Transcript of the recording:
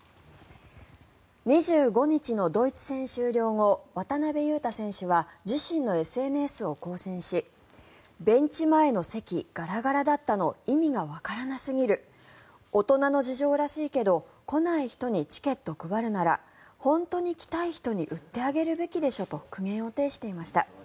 ２５日のドイツ戦終了後渡邊雄太選手は自身のＳＮＳを更新しベンチ前の席、ガラガラだったの意味がわからなすぎる大人の事情らしいけど来ない人にチケット配るならほんとに来たい人に売ってあげるべきでしょと苦言を呈していました。